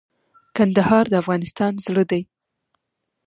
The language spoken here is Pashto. کندهار د افغانستان زړه دي